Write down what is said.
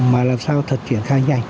mà làm sao thật triển khai nhanh